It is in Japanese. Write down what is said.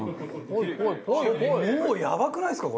もうやばくないっすか？